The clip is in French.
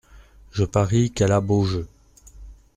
Je parie qu’elle a beau jeu.